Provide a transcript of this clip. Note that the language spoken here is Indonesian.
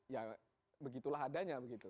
ya begitulah adanya begitu